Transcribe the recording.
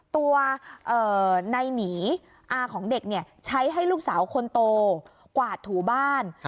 ตัวในหนีอาของเด็กใช้ให้ลูกสาวคนโตกวาดถูบ้าน